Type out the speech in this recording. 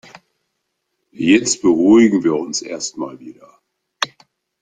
Jetzt beruhigen wir uns erst mal wieder.